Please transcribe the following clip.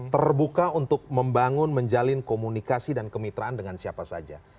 terbuka untuk membangun menjalin komunikasi dan kemitraan dengan siapa saja